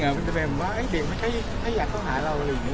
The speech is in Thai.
เหมือนเหมือนว่านักที่เด็กไม่ได้อยากเข้าหาเราอะไรงึง